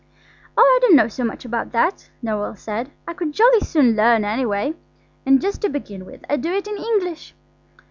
"Oh, I don't know so much about that," Noël said. "I could jolly soon learn anyway, and just to begin with I'd do it in English.